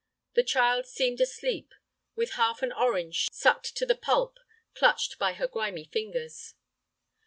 The child seemed asleep, with half an orange, sucked to the pulp, clutched by her grimy fingers.